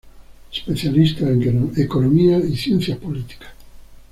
Especialista en Economía y Ciencias políticas.